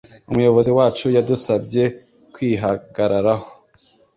Umuyobozi wacu yadusabye kwihagararaho